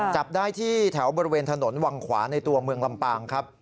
จับได้ที่แถวบริเวณถนนวังขวาในตัวเมืองลำปางครับ